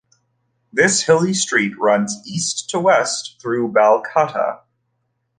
This hilly street runs east to west through Balcatta.